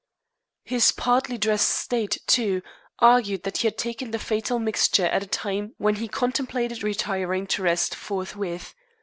His partly dressed state, too, argued that he had taken the fatal mixture at a time when he contemplated retiring to rest forthwith.